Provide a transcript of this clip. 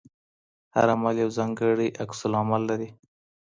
هر عمل یو ځانګړی عکس العمل لري.